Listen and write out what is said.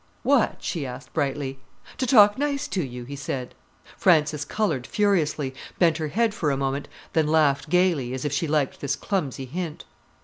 "What?" she asked brightly. "To talk nice to you," he said. Frances coloured furiously, bent her head for a moment, then laughed gaily, as if she liked this clumsy hint.